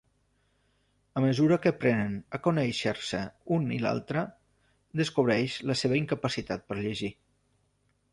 A mesura que aprenen a conèixer-se un i l'altre, descobreix la seva incapacitat per llegir.